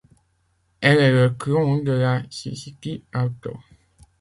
Elle est le clone de la Suzuki Alto.